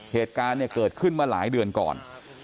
เหตุการณ์เนี่ยเกิดขึ้นมาหลายเดือนก่อน